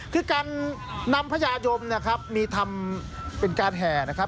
คือการนำพญายมนะครับมีทำเป็นการแห่นะครับ